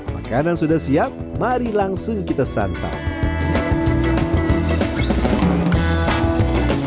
makanan sudah siap mari langsung kita santai